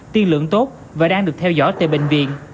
tiên lượng tốt và đang được theo dõi tại bệnh viện